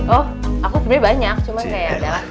oh aku sebenernya banyak cuma kayak